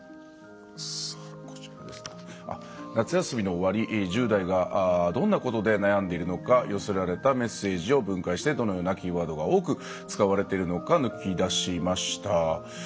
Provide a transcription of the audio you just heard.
夏休みの終わり、１０代がどんなことで悩んでいるのか寄せられたメッセージを分解してどのようなキーワードが多く使われているのか抜き出しました。